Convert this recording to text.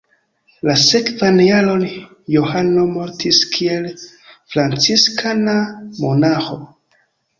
La sekvan jaron Johano mortis kiel franciskana monaĥo.